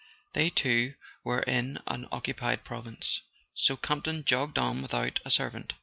They too were in an occupied province. So Campton jogged on without a servant.